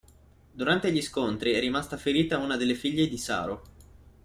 Durante gli scontri è rimasta ferita una delle figlie di Saro.